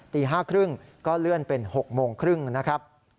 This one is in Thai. ตี๕๓๐ก็เลื่อนเป็น๖๓๐นะครับ